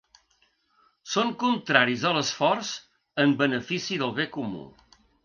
Son contraris a l’esforç en benefici del bé comú.